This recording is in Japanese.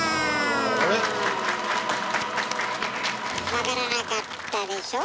わからなかったでしょ？